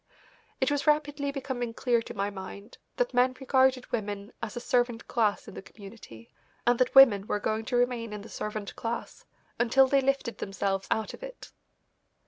It was rapidly becoming clear to my mind that men regarded women as a servant class in the community, and that women were going to remain in the servant class until they lifted themselves out of it.